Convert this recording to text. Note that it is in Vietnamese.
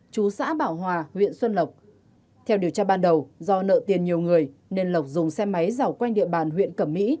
chú xã bảo hòa huyện xuân lộc theo điều tra ban đầu do nợ tiền nhiều người nên lộc dùng xe máy dọc quanh địa bàn huyện cẩm mỹ